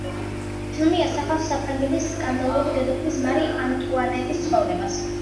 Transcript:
ფილმი ასახავს საფრანგეთის სკანდალური დედოფლის მარი ანტუანეტის ცხოვრებას.